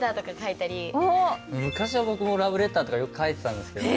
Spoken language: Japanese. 昔は僕もラブレターとかよく書いてたんですけどね。